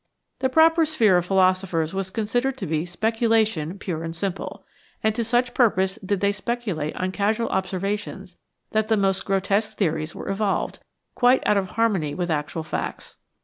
The proper sphere of philosophers was considered to be speculation pure and simple, and to such purpose did they speculate on casual observations that the most grotesque theories were evolved, quite out of harmony with actual facts.